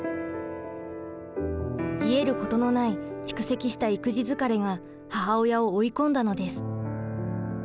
癒えることのない蓄積した育児疲れが母親を追い込んだのです。